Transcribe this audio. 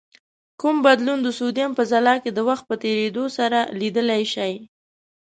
کوم بدلون د سودیم په ځلا کې د وخت په تیرېدو سره لیدلای شئ؟